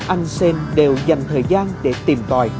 anh sên đều dành thời gian để tìm tòi